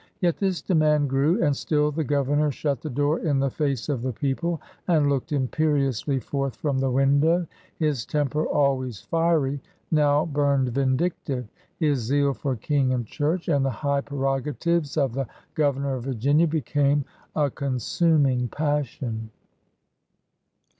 Yet this demand grew, and still the Governor shut the door in the face of the people and looked imperiously forth from the window. His temper, always fiery, now burned vindictive; his zeal for King and Church and the high prerogatives of the Governor of Vir« ginia became a consuming passion.